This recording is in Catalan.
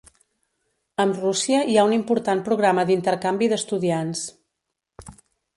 Amb Rússia hi ha un important programa d'intercanvi d'estudiants.